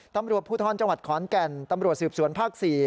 ตำรวจภูทรจังหวัดขอนแก่นตำรวจสืบสวนภาค๔